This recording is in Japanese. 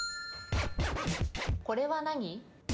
これは何？